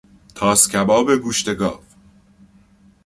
تاسکباب گوشت گاو